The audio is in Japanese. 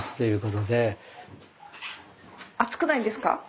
熱くないんですか？